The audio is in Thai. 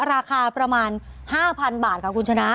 ราคาประมาณ๕๐๐๐บาทค่ะคุณชนะ